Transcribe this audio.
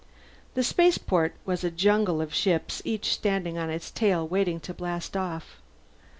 The spaceport was a jungle of ships, each standing on its tail waiting to blast off.